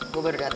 gue baru datang